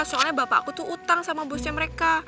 soalnya bapak aku tuh utang sama busnya mereka